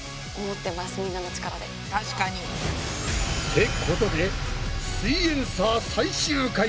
確かに。ってことで「すイエんサー」最終回！